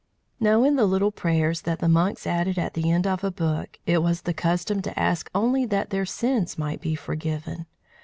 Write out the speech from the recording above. Now in the little prayers that the monks added at the end of a book, it was the custom to ask only that their sins might be forgiven.